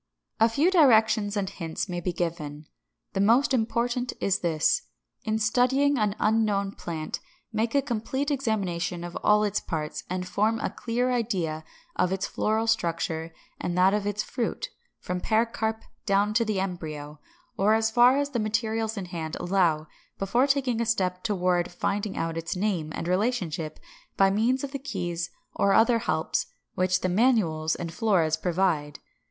= A few directions and hints may be given. The most important is this: In studying an unknown plant, make a complete examination of all its parts, and form a clear idea of its floral structure and that of its fruit, from pericarp down to the embryo, or as far as the materials in hand allow, before taking a step toward finding out its name and relationship by means of the keys or other helps which the Manuals and Floras provide.